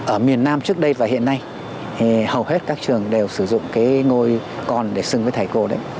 ở miền nam trước đây và hiện nay thì hầu hết các trường đều sử dụng cái ngôi còn để sừng với thầy cô đấy